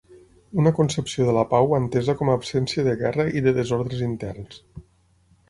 Una concepció de la pau entesa com a absència de guerra i de desordres interns.